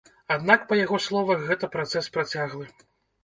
Аднак, па яго словах, гэта працэс працяглы.